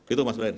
itu mas mdn